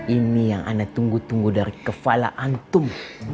ini yang anda tunggu tunggu dari kepala antum